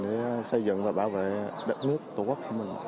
để xây dựng và bảo vệ đất nước tổ quốc của mình